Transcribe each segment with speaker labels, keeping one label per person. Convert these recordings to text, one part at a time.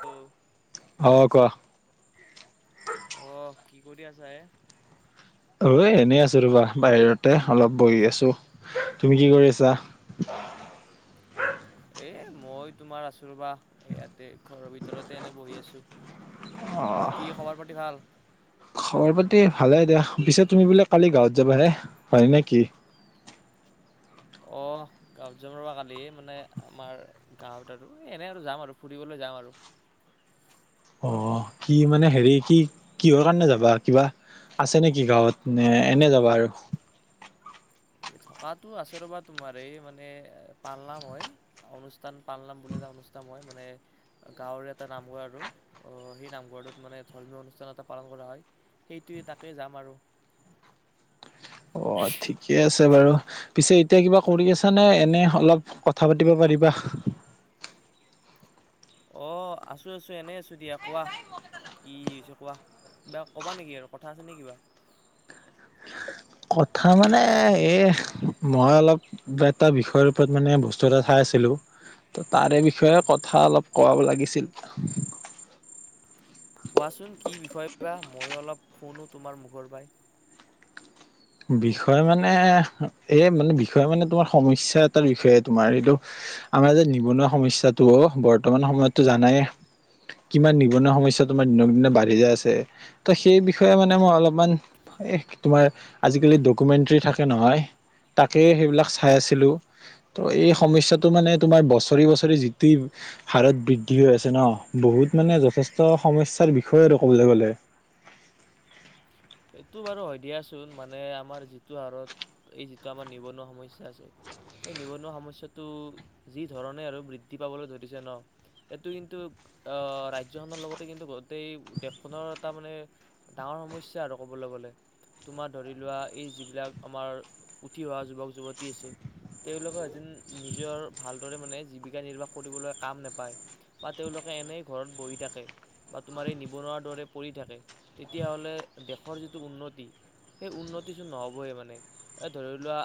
Speaker 1: Hello
Speaker 2: অ কোৱা
Speaker 1: অহ কি কৰি আছা এ?
Speaker 2: ঐ এনেই আছো ৰবা বাহিৰতে অলপ বহি আছো। তুমি কি কৰি আছা?
Speaker 1: এ মই তোমাৰ আছো ৰবা ইয়াতে ঘৰৰ ভিতৰতে এনে বহি আছো
Speaker 2: অ
Speaker 1: বাকী খবৰ পাতি ভাল
Speaker 2: খবৰ পাতি ভালে দিয়া। পিছে, তুমি বোলে কালি গাঁৱত যাবা হে হয় নেকি?
Speaker 1: অ',। গাওঁত যাম ৰ'বা কালি, মানে আমাৰ গাঁৱত আৰু এনেই আৰু যাম আৰু ফুৰিবলৈ যাম আৰু
Speaker 2: অ',। কি মানে হেৰি, কি কিহৰ কাৰণে যাবা কিবা আছে নেকি গাঁৱত, নে এনে যাবা আৰু?
Speaker 1: এই থকাটো আছে ৰ'বা তোমাৰ, এই মানে পালনাম হয়। অনুষ্ঠান পালনাম বুলি এটা অনুষ্ঠান হয় মানে গাঁৱৰ এটা নামঘৰ আৰু আহ, সেই নামঘৰটোত মানে ধৰ্মীয় অনুষ্ঠান এটা পালন কৰা হয়। সেইটোৱে তাকেই যাম আৰু
Speaker 2: অ', ঠিকে ঠিকে আছে বাৰু। পিছে, এতিয়া কিবা কৰি আছানে? এনে অলপ কথা পাতিব পাৰিবা।
Speaker 1: অ',। আছোঁ, আছো এনেই আছোঁ দিয়া কোৱা। কি হৈছে কোৱা, কিবা ক'বা নেকি আৰু কথা আছে নে কিবা?
Speaker 2: কথা মানে, এই মই অলপ এটা বিষয়ৰ ওপৰত মানে বস্তু এটা চাই আছিলো তো তাৰে বিষয়ে কথা অলপ কোৱাব লাগিছিল।
Speaker 1: কোৱাচোন কি বিষয় বা ময়ো অলপ শুনো তোমাৰ মুখৰ পৰাই।
Speaker 2: বিষয় মানে, এই মানে বিষয় মানে তোমাৰ সমস্যা এটাৰ বিষয়ে তোমাৰ এইটো আমাৰ যে নিবনুৱা সমস্যাটো বৰ্তমান সময়তো জানায়ে। কিমান নিবনুৱা সমস্যা তোমাৰ দিনক দিনে বাঢ়ি যায় আছে। ত' সেই বিষয়ে মানে মই অলপমান, এই তোমাৰ আজিকালি ডকুমেণ্টেৰী থাকে নহয়, তাকেই সেইবিলাক চাই আছিলোঁ। ত' এই সমস্যাটো মানে তোমাৰ বছৰি বছৰি যিটো হাৰত বৃদ্ধি হৈ আছে ন, বহুত মানে যথেষ্ট সমস্যাৰ বিষয়ে আৰু ক'বলৈ গ'লে।
Speaker 1: এইটো বাৰু হয় দিয়াচোন। মানে, আমাৰ যিটো হাৰত এই যিটো আমাৰ নিবনুৱা সমস্যা আছে সেই নিবনুৱা সমস্যাটো যি ধৰণে আৰু বৃদ্ধি পাবলৈ ধৰিছে ন'। এইটো কিন্তু আহ, ৰাজ্যখনৰ লগতে কিন্তু গোটেই দেশখনৰ এটা মানে ডাঙৰ সমস্যা আৰু ক'বলৈ গ'লে। তোমাৰ ধৰি লোৱা এই যিবিলাক আমাৰ উঠি অহা যুৱক যুৱতী আছে তেওঁলোকে [unintelligible] নিজৰ ভালদৰে মানে জীৱিকা নিৰ্বাহ কৰিবলৈ কাম নাপায়। বা তেওঁলোকে এনেই ঘৰত বহি থাকে। বা তোমাৰ এই নিবনুৱাৰ দৰে পৰি থাকে, তেতিয়াহ'লে দেশৰ যিটো উন্নতি সেই উন্নতি চোন নহবই মানে, এ ধৰি লোৱা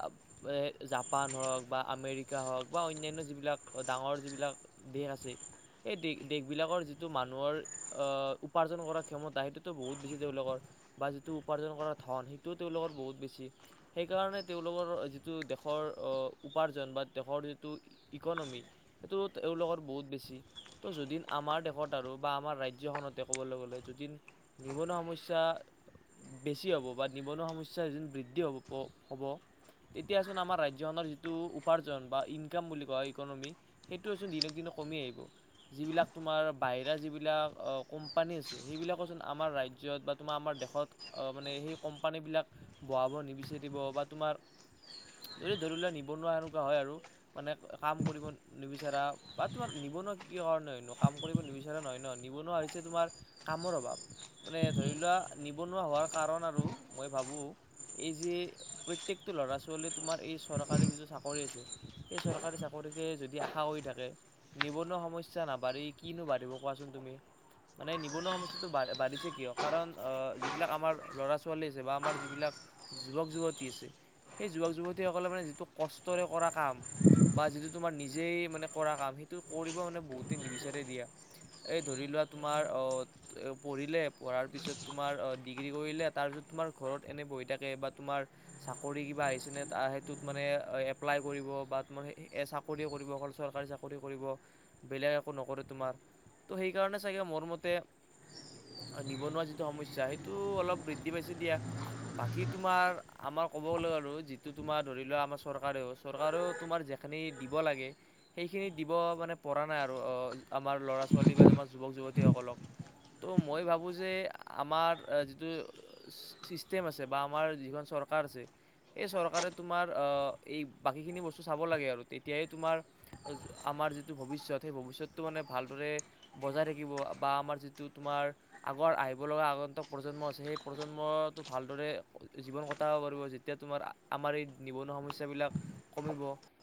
Speaker 1: জাপান হওক বা আমেৰিকা হওক বা অন্যান্য যিবিলাক ডাঙৰ যিবিলাক দেশ আছে, সেই দেশ-দেশবিলাকৰ যিটো মানুহৰ আহ, উপাৰ্জন কৰা ক্ষমতা সেইটোতো বহুত বেছি তেওঁলোকৰ। বা যিটো উপাৰ্জন কৰা ধন সেইটোও তেওঁলোকৰ বহুত বেছি। সেইকাৰণে তেওঁলোকৰ যিটো দেশৰ উপাৰ্জন বা দেশৰ যিটো ইকনমী, সেইটো তেওঁলোকৰ বহুত বেছি। ত' যদিন আমাৰ দেশত আৰু বা আমাৰ ৰাজ্যখনতে ক'বলৈ গ'লে যদিন নিবনুৱা সমস্যা বেছি হ'ব বা নিবনুৱা সমস্যা যিটো বৃদ্ধি হ'বপ হ'ব। তেতিয়াচোন আমাৰ ৰাজ্যখনৰ যিটো উপাৰ্জন বা ইনকাম বুলি কয় ইকনমী সেইটোচোন দিনক দিনে কমি আহিব। যিবিলাক তোমাৰ বাহিৰা যিবিলাক কোম্পানী আছে, সেইবিলাকোচোন আমাৰ ৰাজ্যত বা তোমাৰ আমাৰ দেশ মানে সেই কোম্পানীবিলাক বহাব নিবিচাৰিব বা তোমাৰ যদি ধৰি লোৱা, নিবনুৱা এনেকুৱা হয় আৰু মানে কাম কৰিব নিবিচাৰা বা তোমাৰ নিবনুৱা কিয় হয়নো কাম কৰিব নিবিচাৰা নহয় ন। নিবনুৱা হৈছে তোমাৰ কামৰ অভাৱ। মানে, ধৰি লোৱা নিবনুৱা হোৱাৰ কাৰণ আৰু মই ভাবোঁ এই যে, প্ৰত্যেকটো ল'ৰা ছোৱালী তোমাৰ এই চৰকাৰী যিটো চাকৰি আছে, সেই চাকাৰী কে যদি আশা হৈ থাকে নিবনুৱা সময়য্যা নাবাঢ়ি কিনো বাঢ়িব কোৱাচোন তুমি। মানে নিবনুৱা সমস্যাটো বা-বাঢ়িছে কিয় কাৰণ আ, যিবিলাক আমাৰ ল'ৰা ছোৱালী আছে বা আমাৰ যিবিলাক যুৱক যুৱতী আছে সেই যুৱক যুৱতীসকলে মানে যিটো কষ্টৰে কৰা কাম বা যিটো তোমাৰ নিজেই মানে কৰা কাম সেইটো কৰিব মানে বহুতেই নিবিচাৰে দিয়া। এ ধৰি লোৱা তোমাৰ অ' পঢ়িলে পঢ়াৰ পিছত তোমাৰ ডিগ্ৰী কৰিলে তাৰপিছত তোমাৰ ঘৰত এনেই বহি থাকে বা তোমাৰ চৰি কিবা আহিছে সেইটোত মানে এপ্লাই কৰিব চাকৰি কৰিব অকল চৰকাৰী চাকৰি কৰিব বেলেগ একো নকৰে তোমাৰ। ত' সেইকাৰণে চাগে মোৰ মতে নিবনুৱা য সমস্যা সেইটো অলপ বৃদ্ধি পাইছে দিয়া। বাকী তোমাৰ আমাৰ ক'ব গলৈ' আৰু যিটো তোমাৰ ধৰি লোৱা আমাৰ চৰকাৰেও চৰকাৰেও তোমাৰ যেখিনি দিব লাগে সেইখিনি দিব মানে পৰা নাই আৰু অ' আমাৰ ল'ৰা ছোৱালী বা আমাৰ যুৱক যুৱতীসকলক। ত' মই ভাবোঁ যে আমাৰ যিটো ছিষ্টেম আছে বা আমাৰ যিখন চৰকাৰ আছে এই চৰকাৰে তোমাৰ এই বাকীখিনি বস্তু চাব লাগে আৰু তেতিয়াই তোমাৰ আমাৰ যিটো ভৱিষ্যত সেই ভৱিষ্যতটো মানে ভালদৰে বজাই থাকিব বা আমাৰ যিটো তোমাৰ আগৰ আই লগা আগন্তক প্ৰজন্ম আছে সেই প্ৰজন্মটো ভালদৰে জীৱন কটাব পাৰিব যেতিয়া তোমাৰ আমাৰ এই নিবনুৱা সমস্যাবিলাক কমিব।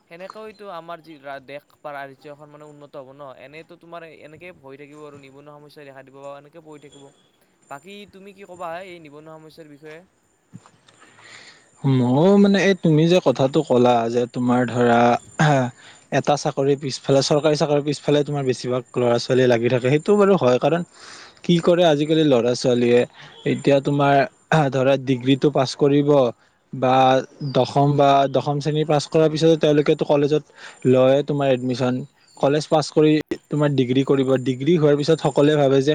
Speaker 1: সেনেকৈতো আমাৰ যি দেশ বা ৰাজ্যখন মানে উন্নত হব ন এনেইতো তোমাৰ এনেকে হৈ থাকিব আৰু নিবনুৱা সমস্যাই দেখা দিব পৰা এনেকৈ বহি থাকিব। বাকী তুমি কি ক'বা এই নিবনুৱা সমস্যাৰ বিষয়ে?
Speaker 2: মই মানে এই তুমি যে কথাটো ক'লা যে তোমাৰ ধৰা এটা চাকৰিৰ পিছফালে চৰকাৰী চাকৰিৰ পিছফালে তোমাৰ বেছিভাগ ল'ৰা ছোৱালী লাগি থাকে সেইটো বাৰু হয় কাৰণ কি কৰে আজিকালি ল'ৰা ছোৱালীয়ে এতিয়া তোমাৰ ধৰা ডিগ্ৰীটো পাছ কৰিব। বা দশম বা দশম শ্ৰেণীৰ পাছ কৰাৰ পিছত তেওঁলোকেতেতো কলেজত লয় তোমাৰ এডমিশ্যন কলেজ পাছ কৰি তোমাৰ ডিগ্ৰী কৰিব ডিগ্ৰী হোৱাৰ পিছত সকলোৱে ভাবে যে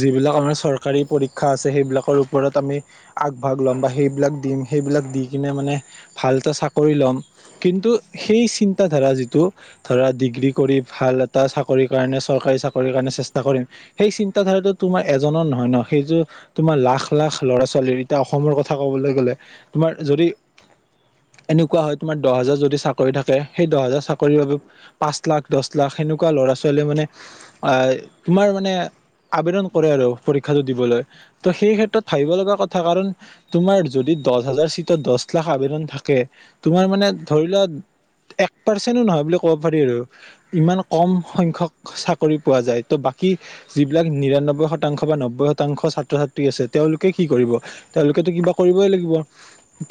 Speaker 2: যিবিলাক আমাৰ চৰকাৰী পৰীক্ষা আছে সেইবিলাকৰ ওপৰত আমি আগভাগ ল'ম বা সেইবিলাক দিম সেইবিলাক দি কিনে মানে ভালটা চাকৰি ল'ম। কিন্তু সেই চিন্ত ধাৰা যিটো ধৰা ডিগ্ৰী কৰি ভাল এটা চাকৰিৰ কাৰণে চৰকাৰী চাকৰিৰ কাৰণে চেষ্টা কৰিম সেই চিন্ত ধাৰাটো তোমাৰ এজনৰ নহয় ন সেইয তোমাৰ লাখ লাখ ল'ৰা ছোৱালীৰ এতিয়া অসমৰ কথা ক'বলৈ গলে তোমাৰ যদি এনেকুৱা হয় তোমাৰ দহ হাজাৰ যদি চাকৰি থাকে সেই দহ হাজাৰ চাকৰিৰ বাবে পাঁচ লাখ দহ লাখ সেনেকুৱা ল'ৰা ছোৱালীয়ে মানে আহ তোমাৰ মানে আবেদন কৰে আৰু পৰীক্ষাটো দিবলৈ ত' সেই ক্ষেত্ৰত ভাবিব লগা কথা কাৰণ তোমাৰ যদি দহ হাজাৰ চিটত দহ লাখ আবেদন থাকে তোমাৰ মানে ধৰি লোৱা এক পাৰ্চেণ্ নহয় বুলি ক'ব পাৰি আৰু ইমান কম সংখ্যক চাকৰি পোৱা যায় ত' বাকী যিবিলাক নিৰান্নব্বৈ শতাংশ বা নব্বৈ শতাংশ ছাত্ৰ ছাত্ৰী আছে তেওঁলোকে কি কৰিব। তেওঁলোকেতো কিবা কৰিবই লাগিব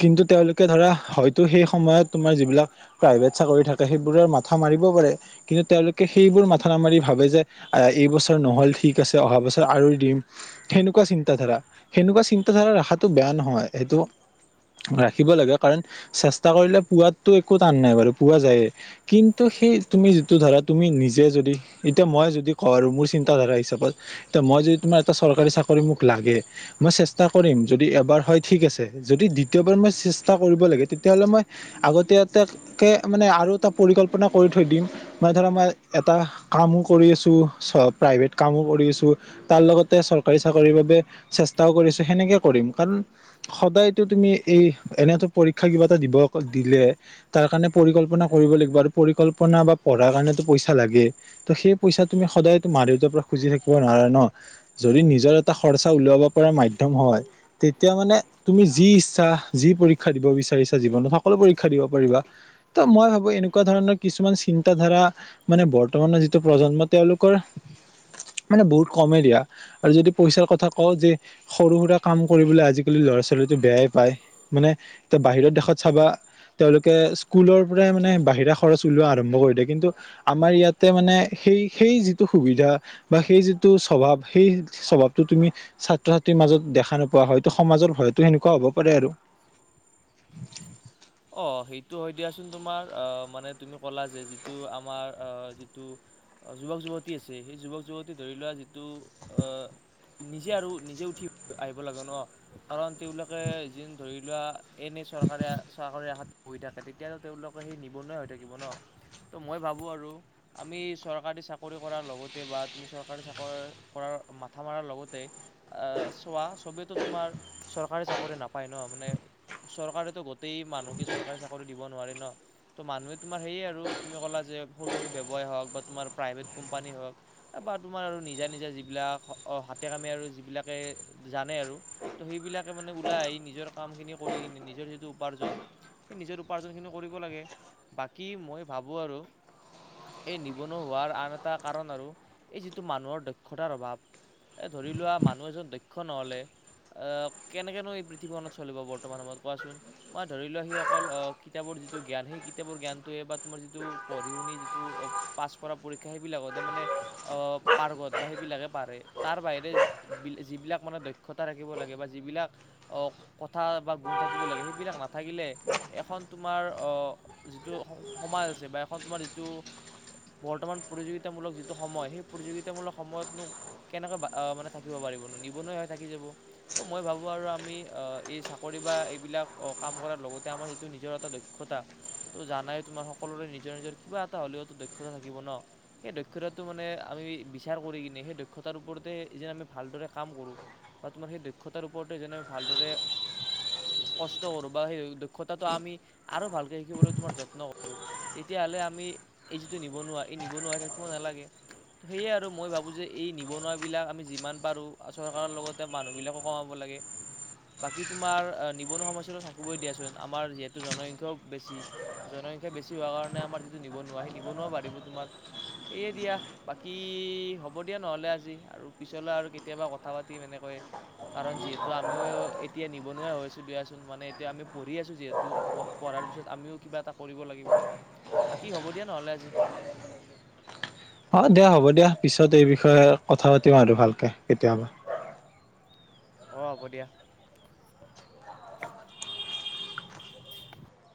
Speaker 2: কিন্তু তেওঁলোকে ধৰা হয়তো সেই সময়ত তোমাৰ যিবিলাক প্ৰাইভেট চাকৰি থাকে সেইবোৰৰ মাথা মাৰিব পাৰে কিন্তু তেওঁলোকে সেইবোৰ মাথা নামাৰি ভাবে যে এইবছৰ নহ'ল ঠিক আছে, অহা বছৰ আৰু দিম সেনেকুৱা চিন্তাধাৰা সেনেকুৱা চিন্তাধাৰা ৰখাটো বেয়া নহয় সেইটো ৰাখিব লাগে কাৰণ চেষ্টা কৰিলে পোৱাতো একো টান নাই বাৰু পুৱা যায়েই। কিন্তু সেই তুমি যিটো ধৰা তুমি নিজে যদি এতিয়া মই যদি কওঁ আৰু মোৰ চিন্তাধাৰা হিচাপত তে মই যদি তোমাৰ এটা চৰকাৰী চাকৰি মোক লাগে মই চেষ্টা কৰিম যদি এবাৰ হয় ঠিক আছে যদি দ্বিতীয়বাৰ মই চেষ্টা কৰিব লাগে তেতিয়াহ'লে মই আগতীয়াক কে মানে আৰু এটা পৰিকল্পনা কৰি থৈ দিম মানে ধৰা মই এটা কামো কৰি আছো চ প্ৰাইভেট কামো কৰি আছো তাৰ লগতে চৰকাৰী চাকৰিৰ বাবে চেষ্টাও কৰিছো সেনেকে কৰিম কাৰণ সদায়তো তুমি এই এনেতো পৰীক্ষা কিবা এটা দিব দিলে তাৰ কাৰণে পৰিকল্পনা কৰিব লাগিব আৰু পৰিকল্পনা বা পঢ়াৰ কাৰণো পইচা লাগে সেই পইচা তুমি সদায় মাৰ দেউতাৰ পৰা খুজি থাকিব নোৱাৰে ন যদি নিজৰ এটা খৰচা উলিয়াব পৰা মাধ্য ম হয় তেতিয়া মানে তুমি যি ইচ্ছা যি পৰীক্ষা দিব বিচাৰিছা জীৱনত সকলো পৰীক্ষা দিব পাৰিবা ত' মই ভাবো এনেকুৱা ধৰণৰ কিছুমান চিন্তা ধাৰা মানে বৰ্তমানৰ যি টো প্ৰজন্ম তেওঁলোকৰ মানে বহুত কমে দিয়া আৰু যদি পইচাৰ কথা কওঁ যে সৰু সুৰা কাম কৰিবলৈ আজিকালি ল'ৰা ছোৱালী এইটো বেয়াই পায় মানে এতিয়া বাহিৰৰ দেশত চাবা তেওঁলোকে স্কুলৰ পৰাই মানে বাহিৰা খৰচ উলিওৱা আৰম্ভ কৰি দিয়ে কিন্তু আমাৰ ইয়াত মানে সেই সেই যিটো সুবিধা বা সেই যিটো টো স্বভাৱ সেই স্বভাৱতটো তুমি ছাত্ৰ ছাত্ৰীৰ মাজত দেখা নোপোৱা হয়তো সমাজৰ ভয়ত তো সেনেকুৱা হ'ব পাৰে আৰু
Speaker 1: অ' সেইটো হয় দিয়াচোন তোমাৰ আহ মানে তুমি ক'লা যে যিটো আমাৰ আহ যিটো যুৱক যুৱতী আছে সেই যুৱক যুৱতী ধৰি লোৱা যিটো নিজে আৰু নিজে উঠি আহিব লাগে ন কাৰণ তেওঁলোকে যেন ধৰি লোৱা এনেই চৰকাৰী চৰকাৰী আশাত বহি থাকে তেতিয়াতো তেওঁলোকৰ সেই নিবনুৱাই হৈ থাকিব ন'। ত' মই ভাবো আৰু আমি চৰকাৰী চাকৰি কৰাৰ লগতে বা তুমি চৰকাৰী চাকৰি কৰাৰ মাথা মৰাৰ লগতে আহ চোৱা চবেইটো তোমাৰ চৰকাৰী চাকৰি নাপায় ন মানে চৰকাৰেটো গোটেই মানুহকে চৰকাৰী চাকৰি দিব নোৱাৰে ন' তো মানুহে তোমাৰ সেয়ে আৰু তুমি ক'লা যে সৰু সৰু ব্যৱসায় হওক বা তোমাৰ প্ৰাইভেট কোম্পানী হওক বা তোমাৰ আৰু নিজা নিজা যিবিলাক হাতে কামে আৰু যিবিলাকে জানে আৰু ত সেইবিলাকে মানে ওলাই আহ নিজৰ কাম খিনি কৰি নিজৰ যিটো উপাৰ্জন সেই নিজৰ উপাৰ্জনখিনি কৰিব লাগে বাকী মই ভাবোঁ আৰু এই নিবনুৱা হোৱাৰ আন এটা কাৰণ আৰু এই যিটো মানুহৰ দক্ষতাৰ অভাৱ এ ধৰি লোৱা মানুহ এজন দক্ষ নহলে কেনেকেনো এই পৃথিৱীখনত চলিব বৰ্তমান সময়ত কোৱাচোন। মই ধৰি লোৱা সিসকল কিতাপৰ যিটো জ্ঞান সেই কিতাপৰ জ্ঞানটোৱে বা তোমাৰ যিটো পঢ়ি শুনি যিটো পাছ কৰা পৰীক্ষা সেইবিলাকতে মানে আহ পাৰ্গত বা সেইবিলাকে পাৰে তাৰ বাহিৰে বি যিবিলাক মানে দক্ষতা থাকিব লাগে বা যিবিলাক অ কথা বা গুণ থাকিব লাগে সেই বিলাক নাথাকিলে এখন তোমাৰ আহ যিটো সমাজ আছে বা এখন তোমাৰ যিটো বৰ্তমান প্ৰতিযোগিতামূলক যিটো সময় সেই প্ৰতিযোগিতামূলক সময়তনো কেনেকৈ মানে থাকিব পাৰিব নু নিবনুৱা হয় থাকি যাব। তো মই ভাবোঁ আৰু আমি এই চাকৰি বা এইবিলাক কাম কৰাৰ লগতে আমাৰ যিটো নিজৰ এটা দক্ষতা ত' জানাই তোমাৰ সকলোৰে নিজৰ নিজৰ কিবা এটা হ'লেও তো দক্ষতা থাকিব ন' সেই দক্ষতাটো মানে আমি বিচাৰ কৰি কিনে সেই দক্ষতাৰ ওপৰতে যেন আমি ভালদৰে কাম কৰোঁ বা তোমাৰ সেই দক্ষতাৰ ওপৰতেই যেনে ভাল কষ্ট কৰো বা সেই দক্ষতাটো আমি আৰু ভালকে শিকিবলৈ তোমাৰ যত্ন কৰো তেতিয়াহ'লে আমি এই যিটো নিবনুৱা এই নিবনুৱাই থাকিব নালাগে। সেয়ে আৰু মই ভাবোঁ যে এই নিবনুৱাবিলাক আমি যিমান পাৰোঁ চৰকাৰৰ লগত মানুহ বিলাকো কমাব লাগে বাকী তোমাৰ নিবনুৱা সমস্যা থাকিবই দিয়াচোন আমাৰ যিহেতু জনসংখ্যাও বেছি। জনসংখ্যা বেছি হোৱাৰ কাৰণে আমাৰ যিটো নিবনুৱা সেই নিবনুৱা বাঢ়িব তোমাৰ সেয়ে দিয়া। বাকী হ'ব দিয়া নহ'লে আজি আৰু পিছলৈ আৰু কেতিয়াবা কথা পাতিম এনেকয়ে। কাৰণ যিহেতু আমিও এতিয়া নিবনুৱা হৈছো দুই। মানে এতিয়া আমি পঢ়ি আছো যিহেতু পঢ়াৰ পিছত আমিও কিবা এটা কৰিব লাগিব। বাকী হ'ব দিয়া নহ'লে আজি।
Speaker 2: অ' দিয়া হ'ব দিয়া পিছত এই বিষয়ে কথা পাতিম আৰু ভালকে কেতিয়াবা।
Speaker 1: অ' হ'ব দিয়া। [unintelligible]